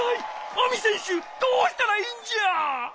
ＡＭＩせんしゅどうしたらいいんじゃ？